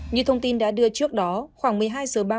như thông tin đã đưa trước đó khoảng một mươi hai h ba mươi